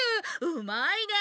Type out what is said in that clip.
うまいね！